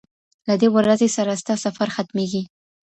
له دې ورځي سره ستا سفر ختمیږي